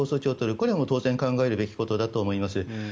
これは考えるべきだと思います。